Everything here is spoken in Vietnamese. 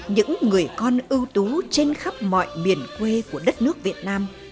những người con ưu tú trên khắp mọi miền quê của đất nước việt nam